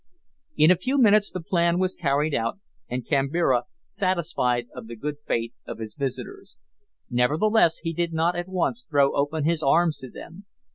In a few minutes the plan was carried out and Kambira satisfied of the good faith of his visitors. Nevertheless he did not at once throw open his arms to them.